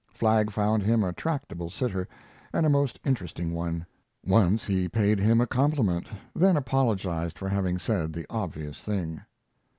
Flagg found him a tractable sitter, and a most interesting one. Once he paid him a compliment, then apologized for having said the obvious thing.